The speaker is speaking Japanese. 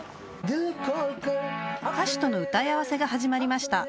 歌手との歌い合わせが始まりました